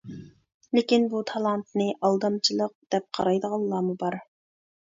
لېكىن بۇ تالانتنى ئالدامچىلىق دەپ قارايدىغانلارمۇ بار.